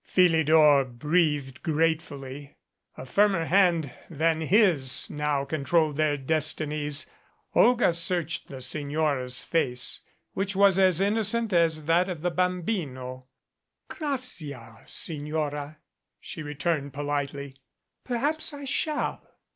Philidor breathed gratefully. A firmer hand than his now controlled their destinies. Olga searched the Sig nora' s face, which was as innocent as that of the bambino* "Grazia, Signora," she returned politely; "perhaps I shall."